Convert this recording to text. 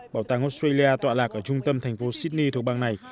bảo tàng australia tọa lạc ở trung tâm thành phố sydney thuộc bang này